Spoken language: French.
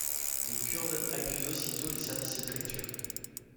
Les Kurdes accusent aussitôt les services secrets turcs.